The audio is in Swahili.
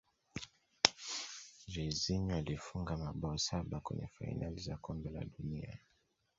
jairzinho alifunga mabao saba kwenye fainali za kombe la dunia